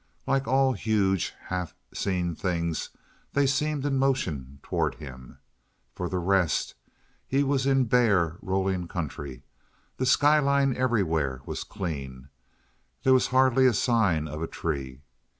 Like all huge, half seen things they seemed in motion toward him. For the rest, he was in bare, rolling country. The sky line everywhere was clean; there was hardly a sign of a tree.